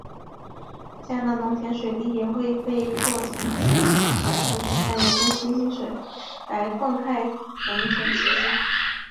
嘉南农田水利会也被迫从此停止抽取三爷宫溪溪水来灌溉农田迄今。